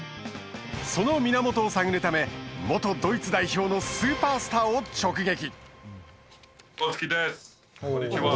その源を探るため元ドイツ代表のスーパースターを直撃。